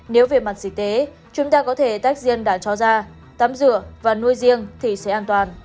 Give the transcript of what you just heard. nếu về mặt dịch tế chúng ta có thể tách riêng đã cho ra tắm rửa và nuôi riêng thì sẽ an toàn